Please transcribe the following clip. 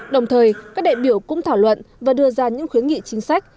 đồng thời các đại biểu cũng thảo luận và đưa ra những khuyến nghị chính sách